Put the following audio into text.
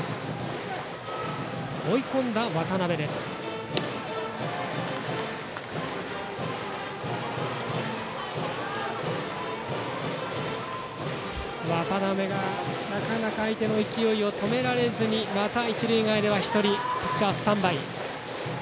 渡部がなかなか相手の勢いを止められずに、また一塁側には１人、ピッチャーがスタンバイ。